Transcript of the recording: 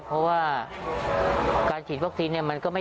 เพราะถ้าไม่ฉีดก็ไม่ได้